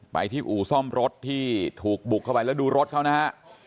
ไปที่อู่ซ่อมรถที่ถูกบุกเข้าไปแล้วดูรถเขานะฮะ